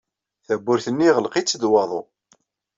Tawwurt-nni yeɣleq-itt-id waḍu.